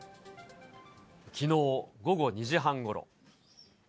きのう午後２時半ごろ。